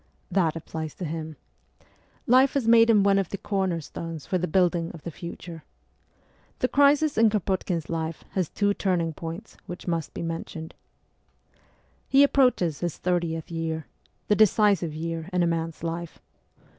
That applies to him. Life has made of him one of the corner stones for the building of the future. The crisis in Kropotkin's life has two turning points which must be mentioned. He approaches his thirtieth year the decisive year in a man's life.